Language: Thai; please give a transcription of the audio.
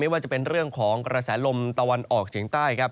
ไม่ว่าจะเป็นเรื่องของกระแสลมตาวนออกเฉียงใต้